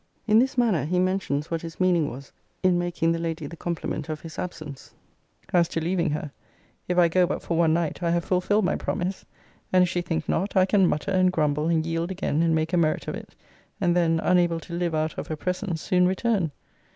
[In this manner he mentions what his meaning was in making the Lady the compliment of his absence:] As to leaving her: if I go but for one night, I have fulfilled my promise: and if she think not, I can mutter and grumble, and yield again, and make a merit of it; and then, unable to live out of her presence, soon return.